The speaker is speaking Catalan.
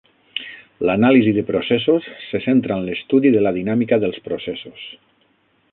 L'anàlisi de processos se centra en l'estudi de la dinàmica dels processos.